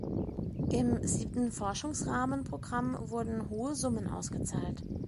Im siebten Forschungsrahmenprogramm wurden hohe Summen ausgezahlt.